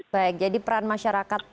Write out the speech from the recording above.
baik jadi peran masyarakat